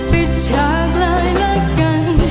ปิดฉากเลยแล้วกัน